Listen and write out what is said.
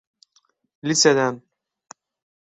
Liseden…